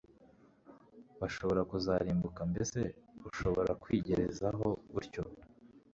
bashobora kuzarimbuka. mbese ushobora kwigerezaho utyo